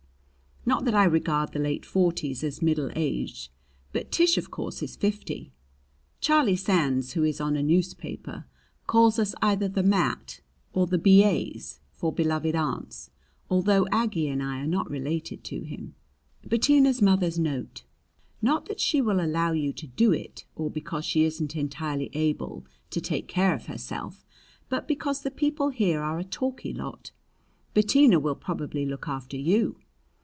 Not that I regard the late forties as middle aged. But Tish, of course, is fifty. Charlie Sands, who is on a newspaper, calls us either the "M.A.T." or the "B.A.'s," for "Beloved Aunts," although Aggie and I are not related to him. Bettina's mother's note: Not that she will allow you to do it, or because she isn't entirely able to take care of herself; but because the people here are a talky lot. Bettina will probably look after you.